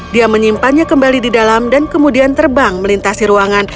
dia menyimpannya kembali di dalam dan kemudian terbang melintasi ruangan